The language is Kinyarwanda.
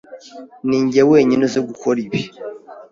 Ninjye wenyine uzi gukora ibi.